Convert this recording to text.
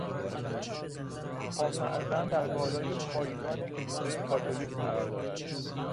پاپ اعظم در بالای پایگان کلیسای کاتولیک قرار دارد.